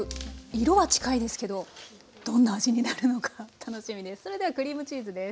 色は近いですけどどんな味になるのか楽しみです。